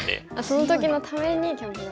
その時のためにキャンプ道具？